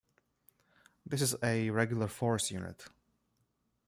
This is a Regular Force unit.